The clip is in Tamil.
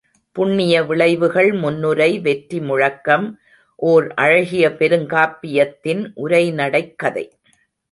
புண்ணிய விளைவுகள் முன்னுரை வெற்றி முழக்கம் ஓர் அழகிய பெருங்காப்பியத்தின் உரைநடைக் கதை.